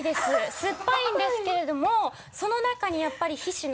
酸っぱいんですけれどもその中にやっぱり皮脂の。